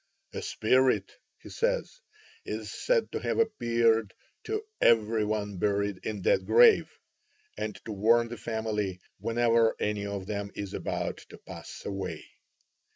"A spirit," he says, "is said to have appeared to every one buried in that grave, and to warn the family whenever any of them is about to pass away.